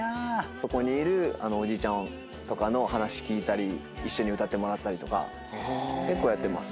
そこにいるおじいちゃんとかの話聞いたり一緒に歌ってもらったり結構やってますね。